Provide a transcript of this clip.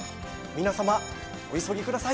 皆様お急ぎください。